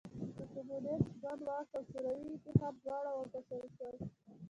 د کمونېست ګوند واک او شوروي اتحاد دواړه وپاشل شول